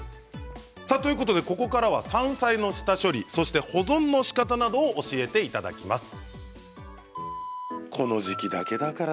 さあということでここからは山菜の下処理そして保存のしかたなどを教えていただきます。